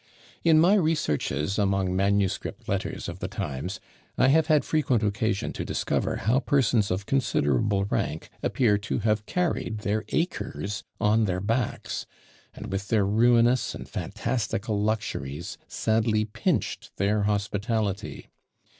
In my researches among manuscript letters of the times, I have had frequent occasion to discover how persons of considerable rank appear to have carried their acres on their backs, and with their ruinous and fantastical luxuries sadly pinched their hospitality.